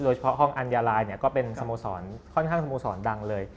ห้องอัญญาลายก็เป็นสโมสรค่อนข้างสโมสรดังเลย